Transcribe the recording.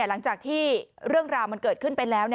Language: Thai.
หลังจากที่เรื่องราวมันเกิดขึ้นไปแล้ว